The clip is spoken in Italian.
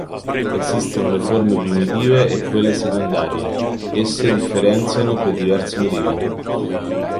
Esistono le forme primitive e quelle secondarie, esse differenziano per diversi motivi.